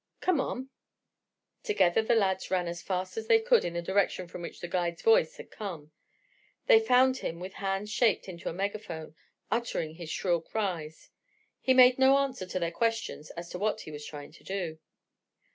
Come on." Together the lads ran as fast as they could in the direction from which the guide's voice had come. They found him with hands shaped into a megaphone, uttering his shrill cries. He made no answer to their questions as to what he was trying to do.